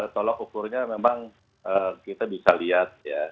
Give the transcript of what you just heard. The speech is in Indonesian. tolak ukurnya memang kita bisa lihat ya